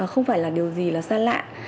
không phải là điều gì là xa lạ